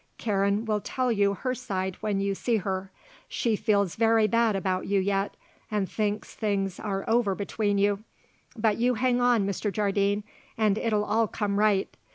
Karen will tell you her side when you see her. She feels very bad about you yet; and thinks things are over between you; but you hang on, Mr. Jardine, and it'll all come right.